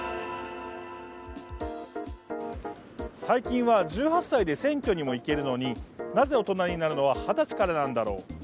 最近は１８歳で選挙にも行けるのに、なぜ、大人になるのは二十歳からなんだろう。